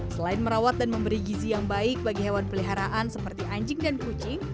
selain merawat dan memberi gizi yang baik bagi hewan peliharaan seperti anjing dan kucing